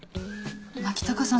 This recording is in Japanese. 牧高さん